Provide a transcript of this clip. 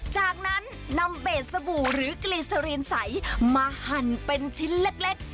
จากนั้นนำเบสสบู่หรือกรีซารีนใสมาหั่นเป็นชิ้นเล็ก